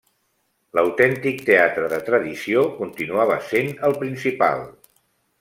L'autèntic teatre de tradició continuava sent el Principal.